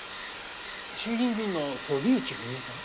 衆議院議員の飛内文枝さん？